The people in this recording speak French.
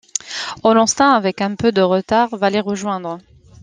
Hollenstein avec un peu de retard, va les rejoindre.